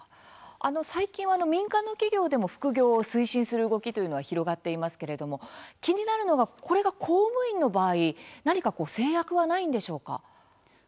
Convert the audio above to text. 最近は民間の企業でも副業を推進する動きというのは広がっていますけれども気になるのはこれが公務員の場合何か制約はないんでしょうか？